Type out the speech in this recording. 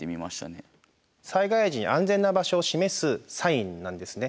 災害時に安全な場所を示すサインなんですね。